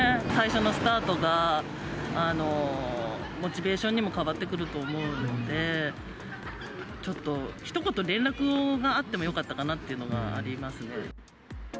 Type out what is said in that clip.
最初のスタートが、モチベーションにも変わってくると思うんで、ちょっとひと言、連絡があってもよかったかなっていうのはありますね。